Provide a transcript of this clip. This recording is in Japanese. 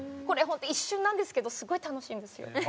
これホント一瞬なんですけどすごい楽しいんですよ。